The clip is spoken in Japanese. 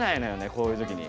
こういう時に。